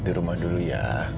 di rumah dulu ya